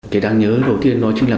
cái đáng nhớ đầu tiên nói chung là